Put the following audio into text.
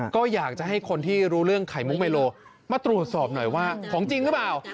ก็อยากจะให้คนที่รู้เรื่องไข่มุกเมโลมาตรวจสอบหน่อยว่าของจริงหรือเปล่า